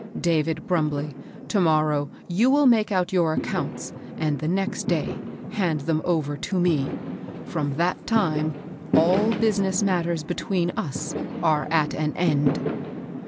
David Brumbley, to morrow you will make out your accounts, and th6 next day hand them over to me. From that time all business matters between us are at an end."